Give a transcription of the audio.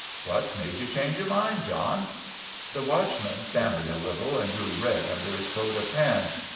" What 's made you change your mind, John ?" The watchman stammered a little and grew red under his coat of tan.